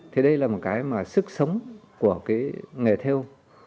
thì đây là một cái mà sức sống của cái nghề theo